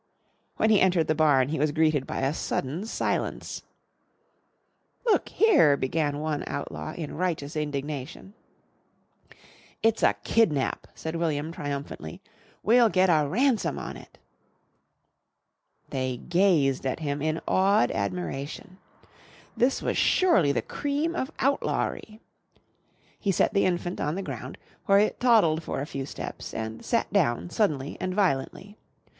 When he entered the barn he was greeted by a sudden silence. "Look here!" began one outlaw in righteous indignation. "It's a kidnap," said William, triumphantly. "We'll get a ransom on it." They gazed at him in awed admiration. This was surely the cream of outlawry. He set the infant on the ground, where it toddled for a few steps and sat down suddenly and violently.